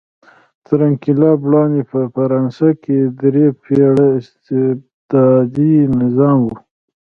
تر انقلاب وړاندې په فرانسه کې درې پېړۍ استبدادي نظام و.